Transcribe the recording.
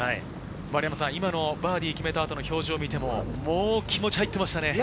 今のバーディーを決めた後の表情を見ても気持ち入ってましたね。